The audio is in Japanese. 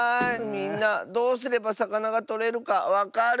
みんなどうすればさかながとれるかわかる？